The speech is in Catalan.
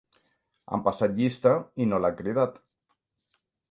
Han passat llista i no l'han cridat.